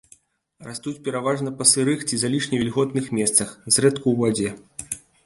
Растуць пераважна па сырых ці залішне вільготных месцах, зрэдку ў вадзе.